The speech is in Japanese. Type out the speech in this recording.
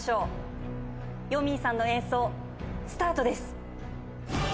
よみぃさんの演奏スタートです。